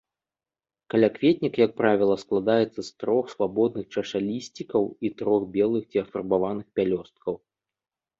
Калякветнік, як правіла, складаецца з трох свабодных чашалісцікаў і трох белых ці афарбаваных пялёсткаў.